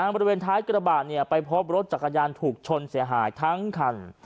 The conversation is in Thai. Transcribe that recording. บริเวณท้ายกระบะไปพบรถจักรยานถูกชนเสียหายทั้งคัน